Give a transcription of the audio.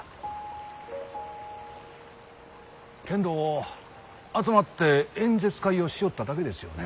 けんど集まって演説会をしよっただけですよね？